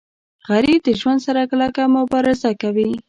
غریب د ژوند سره کلکه مبارزه کوي